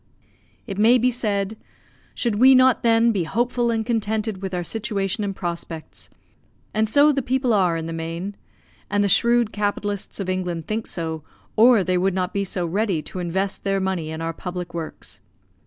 It may be said, "should we not then be hopeful and contented with our situation and prospects." And so the people are in the main, and the shrewd capitalists of England think so, or they would not be so ready to invest their money in our public works.